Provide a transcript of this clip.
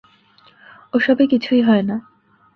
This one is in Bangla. ওসবে কিছুই হয় না।